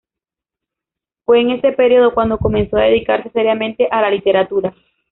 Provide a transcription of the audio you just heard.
Fue en ese periodo cuando comenzó a dedicarse seriamente a la literatura.